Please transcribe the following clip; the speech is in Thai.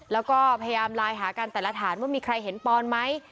แล้วก็พยายามไลน์หากันแต่ละฐานว่ามีใครเห็นปอนไหม